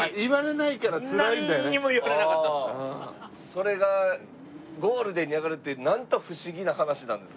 それがゴールデンに上がるってなんと不思議な話なんですか。